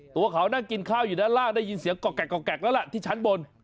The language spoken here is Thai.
ตัวเขานั่งกินข้าวอยู่ด้านล่างได้ยินเสียงกอกแล้วล่ะที่ชั้นบน